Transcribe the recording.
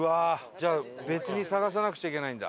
じゃあ別に探さなくちゃいけないんだ。